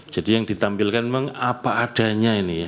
jadi yang ditampilkan memang apa adanya ini ya